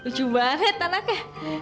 lucu banget anaknya